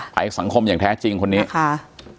ภัยสังคมอย่างแท้จริงคนนี้ค่ะ